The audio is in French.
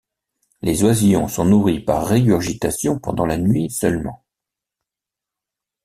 Les oisillons sont nourris par régurgitation pendant la nuit seulement.